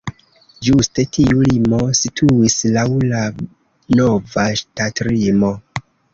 Ĝuste tiu limo situis laŭ la nova ŝtatlimo.